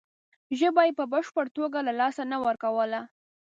ژبه یې په بشپړه توګه له لاسه نه ورکوله.